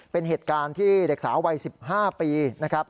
เป็นเหตุการณ์ที่เด็กสาววัย๑๕ปีนะครับ